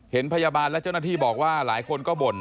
พยาบาลและเจ้าหน้าที่บอกว่าหลายคนก็บ่น